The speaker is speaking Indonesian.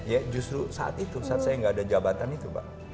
ya justru saat itu saat saya nggak ada jabatan itu pak